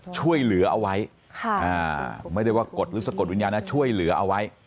ช่วยเหลือเอาไว้ไม่ได้ว่ากดหรือสะกดวิญญาณนะช่วยเหลือเอาไว้